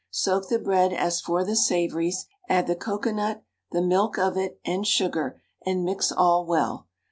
Soak the bread as for the savouries, add the cocoanut, the milk of it, and sugar, and mix all well.